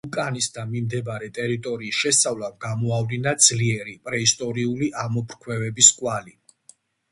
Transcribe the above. ვულკანის და მიმდებარე ტერიტორიის შესწავლამ გამოავლინა ძლიერი პრეისტორიული ამოფრქვევების კვალი.